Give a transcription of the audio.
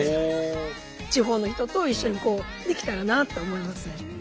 地方の人と一緒にできたらなって思いますね。